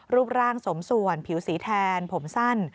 รูปร่างสมส่วนผิวสีแทนผมสั้น